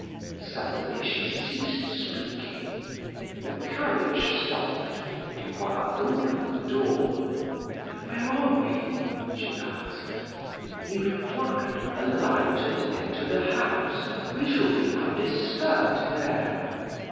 Suddenly she ceased speaking. The carriage stopped. Du Roy opened the door. "Where are we?" she asked. He replied: "Alight and enter the house. We shall be undisturbed there."